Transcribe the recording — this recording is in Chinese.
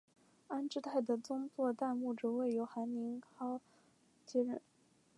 安治泰的宗座代牧职位由韩宁镐接任。